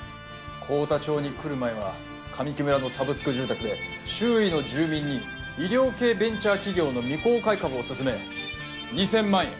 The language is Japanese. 幸田町に来る前は紙木村のサブスク住宅で周囲の住民に医療系ベンチャー企業の未公開株をすすめ２，０００万円。